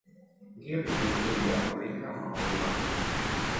Ngiri busulia mringa maua.